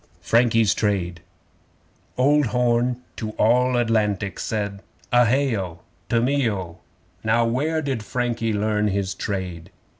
Frankie's Trade Old Horn to All Atlantic said: (A hay O! To me O!) 'Now where did Frankie learn his trade?